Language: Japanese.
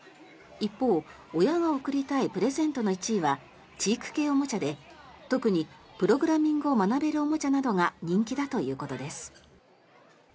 一方、親が贈りたいプレゼントの１位は知育系おもちゃで特にプログラミングを学べるおもちゃなどが人気だということです。